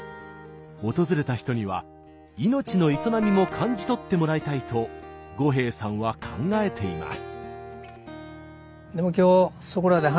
訪れた人には命の営みも感じ取ってもらいたいと五兵衛さんは考えています。